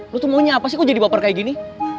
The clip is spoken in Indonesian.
lu tuh maunya apa sih kok jadi baper kayak gini